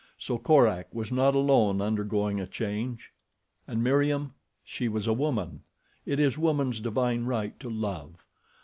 So Korak was not alone undergoing a change. And Meriem? She was a woman. It is woman's divine right to love.